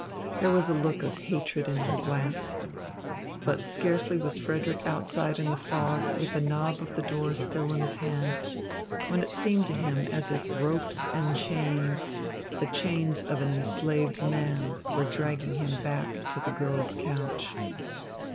There was a look of hatred in her glance. But scarcely was Frederick outside in the fog with the knob of the door still in his hand, when it seemed to him as if ropes and chains, the chains of an enslaved man, were dragging him back to the girl's couch.